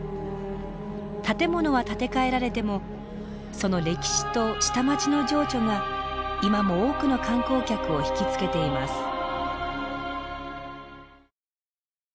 建物は建て替えられてもその歴史と下町の情緒が今も多くの観光客を引き付けています。